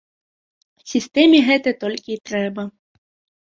Сістэме гэта толькі і трэба.